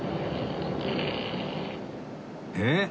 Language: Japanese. えっ！？